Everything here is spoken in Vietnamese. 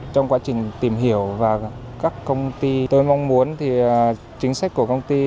trong quá trình tìm hiểu và các công ty tôi mong muốn thì chính sách của công ty